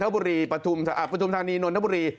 ประทุมทางนี้นนทบุรี